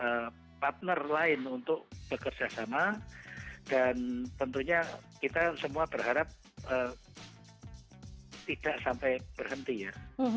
karena ini adalah partner lain untuk bekerjasama dan tentunya kita semua berharap tidak sampai berhenti ya